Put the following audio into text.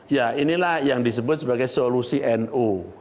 ya inilah yang disebut sebagai solusi nu